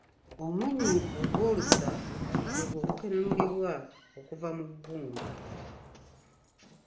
Omunnyu ogwolusa gwe gwo ogukenenulibwa okuva mu bbumba.